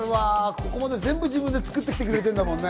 ここまで全部自分で作ってきてくれてるんだもんね。